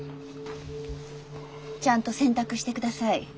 ちゃんと選択してください。